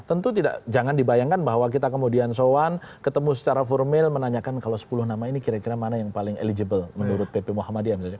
tentu tidak jangan dibayangkan bahwa kita kemudian soan ketemu secara formil menanyakan kalau sepuluh nama ini kira kira mana yang paling eligible menurut pp muhammadiyah misalnya